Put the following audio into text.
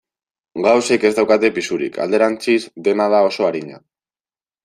Gauzek ez daukate pisurik, alderantziz, dena da oso arina.